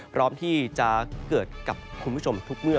พร้อมที่จะเกิดกับคุณผู้ชมทุกเมื่อ